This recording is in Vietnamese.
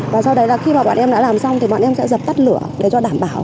và sau đấy là khi mà bọn em đã làm xong thì bọn em sẽ dập tắt lửa để cho đảm bảo